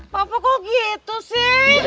papa kok gitu sih